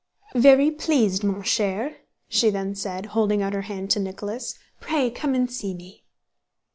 "Very pleased, mon cher," she then said, holding out her hand to Nicholas. "Pray come and see me."